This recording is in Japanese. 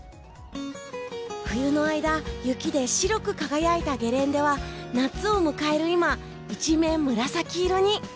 冬の間雪で白く輝いたゲレンデは夏を迎える今一面、紫色に。